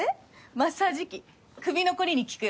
マッサージ器首の凝りに効くよ。